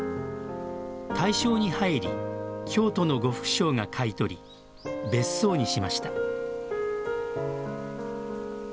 大正に入り京都の呉服商が買い取り別荘にしました。